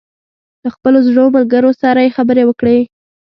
له خپلو زړو ملګرو سره یې خبرې وکړې.